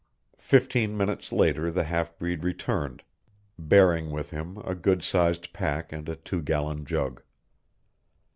Fifteen minutes later the half breed returned, bearing with him a good sized pack and a two gallon jug.